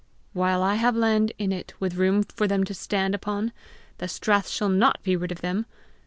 "While I have land in it with room for them to stand upon, the strath shall not be rid of them!